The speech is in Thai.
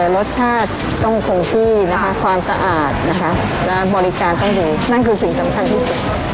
รสชาติต้องคงที่นะคะความสะอาดนะคะและบริการต้องดีนั่นคือสิ่งสำคัญที่สุด